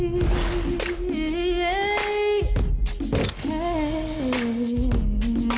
anak fisik phoenix bisa berselatih opensi